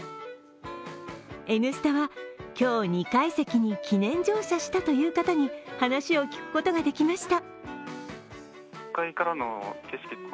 「Ｎスタ」は今日２階席に記念乗車したという方に話を聞くことができました。